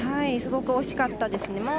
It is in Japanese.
すごく惜しかったですね。